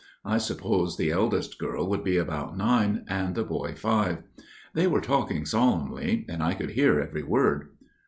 I suppose the eldest girl would be about nine, and the boy five. They were talking solemnly, and I could hear every word.